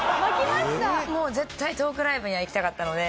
もう絶対トークライブには行きたかったので。